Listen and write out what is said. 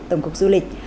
tổng cục du lịch